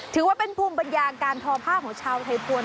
ถือว่าเป็นภูมิปัญญาการทอผ้าของชาวไทยภวร